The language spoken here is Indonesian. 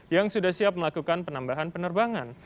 yang sudah siap melakukan penambahan penerbangan